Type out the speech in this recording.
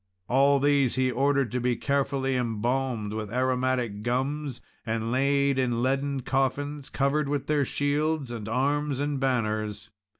All these he ordered to be carefully embalmed with aromatic gums, and laid in leaden coffins, covered with their shields and arms and banners.